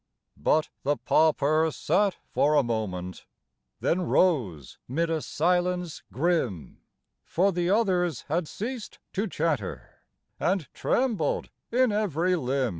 But the pauper sat for a moment, Then rose 'mid a silence grim, For the others had ceased to chatter And trembled in every limb.